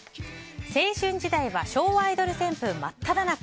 青春時代は昭和アイドル旋風真っただ中。